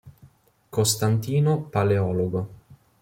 Costantino Paleologo